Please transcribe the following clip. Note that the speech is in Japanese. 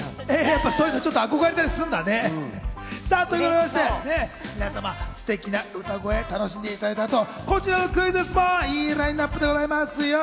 憧れたりするんだね。ということでございまして、皆様、すてきな歌声を楽しんでいただいた後は、こちらのクイズッスもいいラインナップでございますよ。